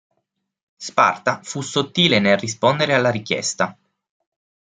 Sparta fu sottile nel rispondere alla richiesta.